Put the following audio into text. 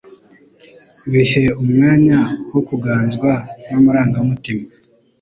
bihe umwanya wo kuganzwa n'amarangamutima.